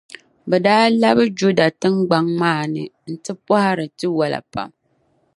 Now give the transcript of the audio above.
bɛ daa labi Juda tiŋgbɔŋ maa ni nti pɔhiri tiwala pam.